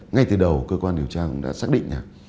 ngay từ đầu cơ quan điều tra đã xác định